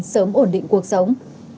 sớm ổn định cuộc sống